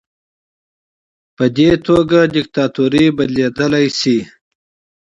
په دې توګه دیکتاتوري بدلیدلی شي.